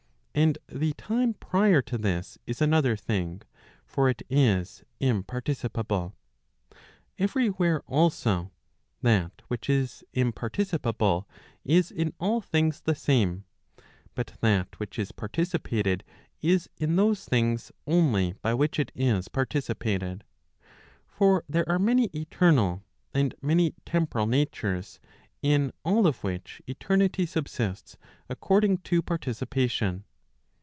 And the time prior to this is another thing; for it is imparticipable. Every where also, that which is imparticipable is in all things the same. But that which is participated is in those things only by which it is participated. For there are many eternal, and many temporal natures in all of which eternity subsists according to participation.